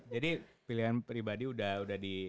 jadi pilihan pribadi udah di